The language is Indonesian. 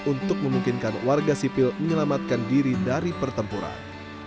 untuk memungkinkan warga sipil menyelamatkan diri dari pertempuran